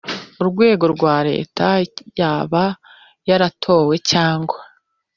Urwego rwa leta yaba yaratowe cyangwa